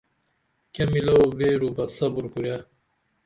کیہ میلو بیرو بہ صبور کُرے